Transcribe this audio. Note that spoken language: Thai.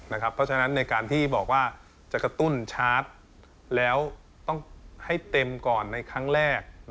เพราะฉะนั้นในการที่บอกว่าจะกระตุ้นชาร์จแล้วต้องให้เต็มก่อนในครั้งแรก